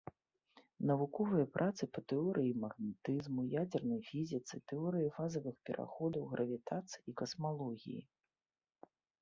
Навуковыя працы па тэорыі магнетызму, ядзернай фізіцы, тэорыі фазавых пераходаў, гравітацыі і касмалогіі.